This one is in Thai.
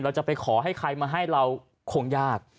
เราจะไปขอให้ใครมาให้เราคงยาก